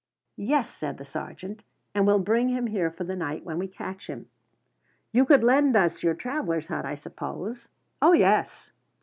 "Yes," said the sergeant, "and we'll bring him here for the night when we catch him. You could lend us your travellers' hut, I suppose?" "Oh, yes."